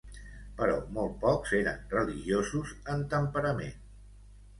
Però molt pocs eren religiosos en temperament.